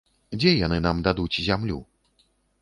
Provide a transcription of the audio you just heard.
Дзе яны нам дадуць зямлю?